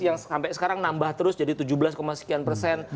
yang sampai sekarang nambah terus jadi tujuh belas sekian persen